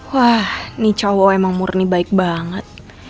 wah ini cowok emang murni baik banget